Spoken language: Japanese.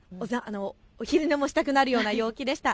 お昼寝もしたくなるような陽気でした。